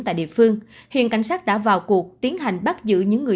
tại địa phương hiện cảnh sát đã vào cuộc tiến hành bắt giữ